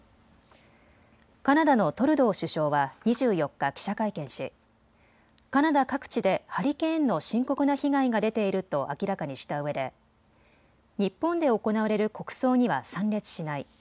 カナダのトルドー首相は２４日、記者会見し、カナダ各地でハリケーンの深刻な被害が出ていると明らかにしたうえで、日本で行われる国葬には参列しない。